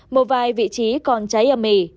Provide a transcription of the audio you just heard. một vài vị trí còn cháy ấm ỉ